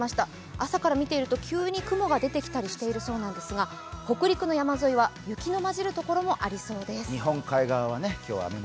朝から見ていると急に雲が出てきたりしているそうなですが、北陸の山沿いは日の混じるところもありそうです。